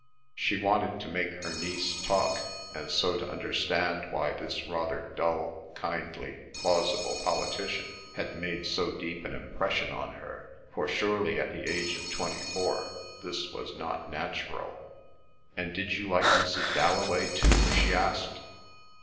She wanted to make her niece talk, and so to understand why this rather dull, kindly, plausible politician had made so deep an impression on her, for surely at the age of twenty four this was not natural. "And did you like Mrs. Dalloway too?" she asked.